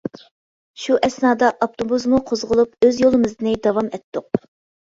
شۇ ئەسنادا ئاپتوبۇسمۇ قوزغىلىپ ئۆز يولىمىزنى داۋام ئەتتۇق.